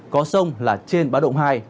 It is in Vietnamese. có sông là trên báo động hai